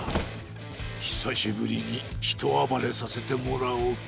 ひさしぶりにひとあばれさせてもらおうか。